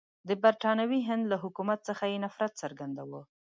د برټانوي هند له حکومت څخه یې نفرت څرګندوه.